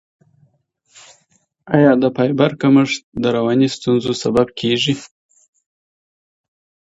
آیا د فایبر کمښت د رواني ستونزو سبب کیږي؟